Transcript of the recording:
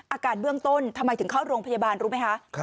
อาการเบื้องต้นทำไมถึงเข้าโรงพยาบาลรู้ไหมคะ